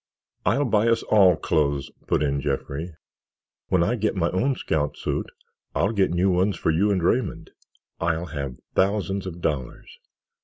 "I'll buy us all clothes," put in Jeffrey. "When I get my own scout suit I'll get new ones for you and Raymond—I'll have thousands of dollars."